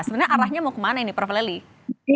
sebenarnya arahnya mau ke mana ini prof lely